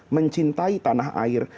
mencintai tanah air